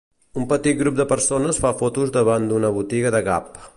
Un petit grup de persones fa fotos davant d'una botiga de Gap.